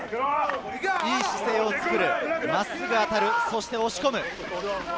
いい姿勢を作る、真っすぐ当たる、そして押し込む。